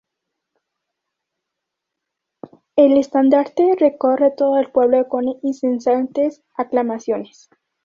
El estandarte recorre todo el pueblo con incesantes aclamaciones.